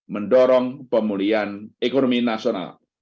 mendorong pemulihan ekonomi nasional